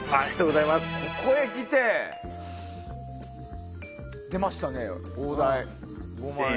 ここへきて出ましたね、大台５万円。